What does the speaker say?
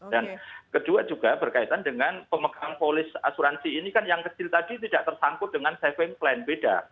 dan kedua juga berkaitan dengan pemegang polis asuransi ini kan yang kecil tadi tidak tersangkut dengan saving plan beda